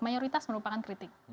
mayoritas merupakan kritik